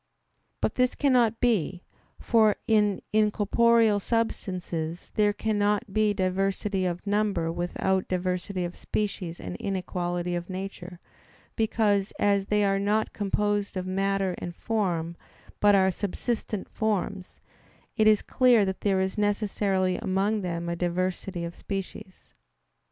But this cannot be; for in incorporeal substances there cannot be diversity of number without diversity of species and inequality of nature; because, as they are not composed of matter and form, but are subsistent forms, it is clear that there is necessarily among them a diversity of species.